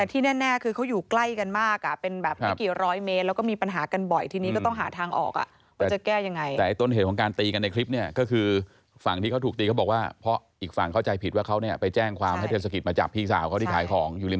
แต่ที่แน่คือเขาอยู่ใกล้กันมาก